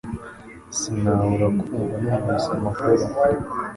Sinabura kumva numvise amakuru